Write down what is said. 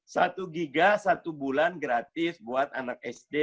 satu giga satu bulan gratis buat anak sd